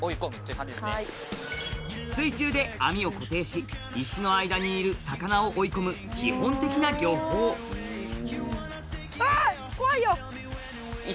水中で網を固定し石の間にいる魚を追い込む基本的な漁法あ！